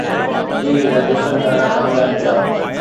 ڏينهن جا جشن ڏاڍا ڪامياب ٿيا.